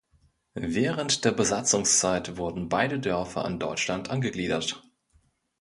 Während der Besatzungszeit wurden beide Dörfer an Deutschland angegliedert.